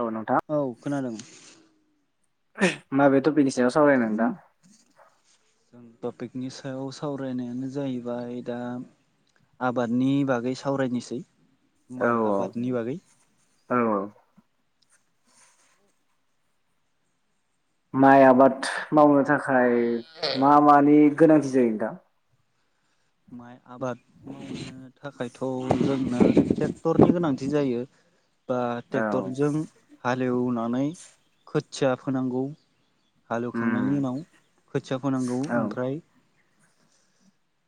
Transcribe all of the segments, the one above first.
औ नोंथां औ खोनादों। माबे टपिकनि सायाव सावरायनो नोंथां? जों टपिकनि सायाव सावरायनायानो जाहैबाय दा आबादनि बागै सावरायनोसै औ माइ आबादनि बागै औ औ माइ आबाद मावनो थाखा खाय मा मानि गोनांथि जायो नोंथां माइ आबाद मावनो थाखायथ' जोंनो टेक्टरनि गोनांथि जायो बा औ टेक्टरजों हालेवना नै खोथिया फोनांगौ उम हालौवखांनायनि उनाव खोथिया फोनांगौ औ ओमफ्राय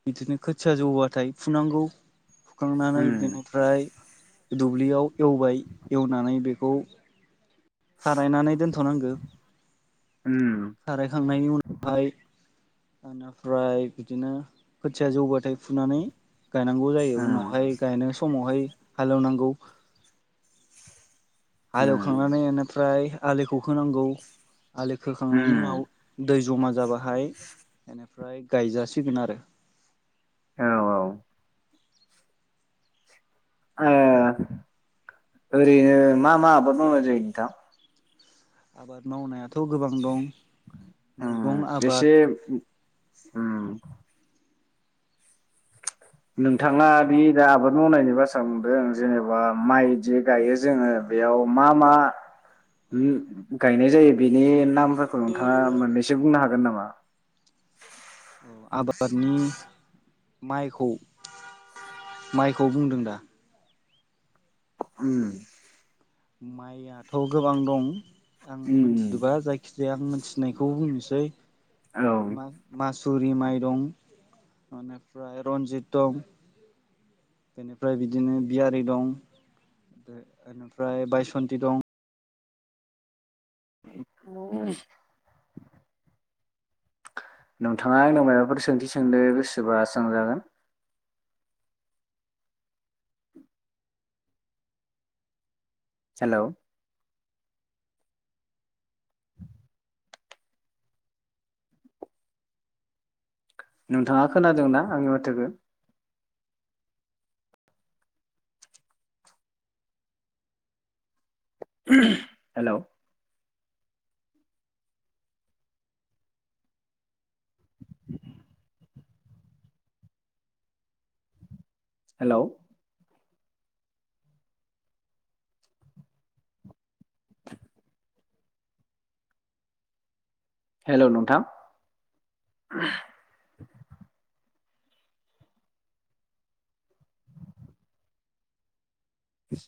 बिदिनो खोथिया जौबाथाय फुनांगौ फुखांनानै उम बेनिफ्राय दुब्लियाव एवबाय एवनानै बेखौ खारायनानै दोनथनांगौ उम खारायखांनायनि उनावहाय ओनिफ्राय बिदिनो खोथिया जौबाथाय फुनानै गायनांगौ जायो उम उनावहाय गायनाय समावहाय हालएवनांगौ हाल उम एवखांनानै ओमफ्राय आलिखौ खोनांगौ आलि खोखांनायनि उम उनाव दै ज'मा जा जाबाहाय बेनिफ्राय गायजासिगोन आरो औ औ ओ ओरैनो मा मा आबाद मावनाय जायो नोंथां? आबाद मावनाय आ थ' गोबां दं मैगं उम आबाद एसे उम नोंथाङा बे दा आबाद मावनायनि बाथ्रा बुंदों जेनेबा माइ जे गायो जोङो बेयाव मा मा उम गायनाय जायो, बेनि नामफोरखौ नोंथाङा मोननैसो बुंनो हागोन नामा? औ आबादनि माइखौ माइखौ बुंदों दा? उम माइयाथ' गोबां दं आं उम मिथिजोबा जायखिजाया आं थिनायखौ बुंनोसै उम औ मा-मासु सुरि माइ दं इनिफ्राय रन्जित दं बेनिफ्राय बिदिनो बियारि दं बेनिफ्राय बायसन्थि दं नोंथाङा आंनाव मायबाफोर सोंथि सोंनो गोसोबा सोंजागोन। हेलौ। नोंथाङा खोनादोंना आंनि माथोखौ? हेलौ। हेलौ। [inaudible] हेलौ नोंथां।